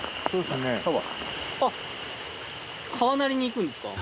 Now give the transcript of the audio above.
川なりに行くんですか？